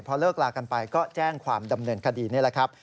พอเลิกลากันไปก็แจ้งความดำเนินคดีนี่แหละครับ